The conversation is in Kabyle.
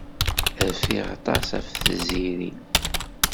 Rfiɣ aṭas ɣef Tiziri.